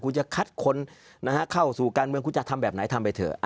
คุณจะคัดคนเข้าสู่การเมืองคุณจะทำแบบไหนทำไปเถอะ